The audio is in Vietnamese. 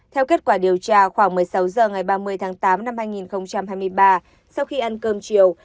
theo kết quả điều tra khoảng một mươi sáu h ngày ba mươi tháng tám năm hai nghìn hai mươi ba sau khi ăn cơm chiều